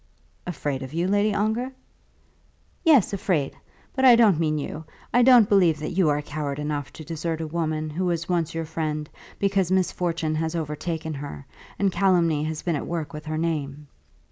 "Afraid of you, Lady Ongar?" "Yes, afraid; but I don't mean you. I don't believe that you are coward enough to desert a woman who was once your friend because misfortune has overtaken her, and calumny has been at work with her name."